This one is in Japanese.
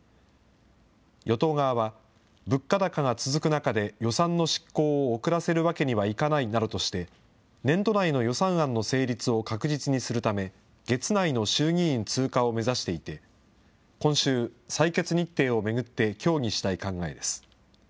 与党側は、物価高が続く中で予算の執行を遅らせるわけにはいかないなどとして、年度内の予算案の成立を確実にするため、月内の衆議院通過を目指していて、今週、採決日程を巡って協議したい考えです。